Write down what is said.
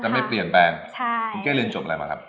โอเคแล้วไม่เปลี่ยนแปลงพอใกล้เรียนจบอะไรมาครับ